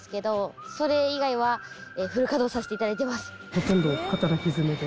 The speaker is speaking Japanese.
ほとんど働き詰めで？